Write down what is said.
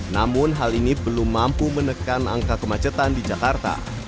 namun hal ini belum mampu menekan angka kemacetan di jakarta